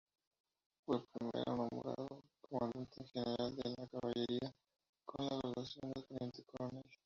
Fue primero nombrado comandante general de la Caballería, con la graduación de teniente coronel.